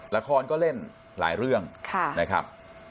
ละครก็เล่นหลายเรื่องนะครับ